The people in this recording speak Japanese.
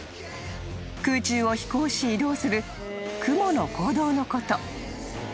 ［空中を飛行し移動するクモの行動のこと］